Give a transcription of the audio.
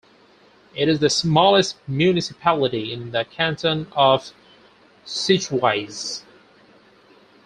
It is the smallest municipality in the Canton of Schwyz.